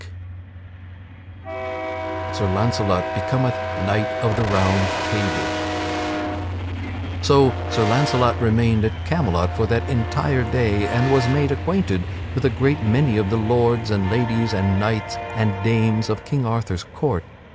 [Sidenote: Sir Launcelot becometh knight of the Round Table] So Sir Launcelot remained at Camelot for that entire day and was made acquainted with a great many of the lords and ladies and knights and dames of King Arthur's court.